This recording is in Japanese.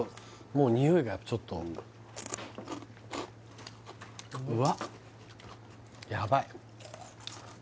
もう匂いがちょっとうわっやばい